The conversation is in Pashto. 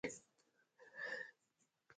ایران د شخړو حل غواړي.